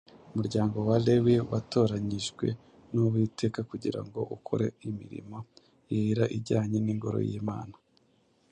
Umuryango wa Lewi watoranyijwe n’Uwiteka kugira ngo ukore imirimo yera ijyanye n’ingoro y’Imana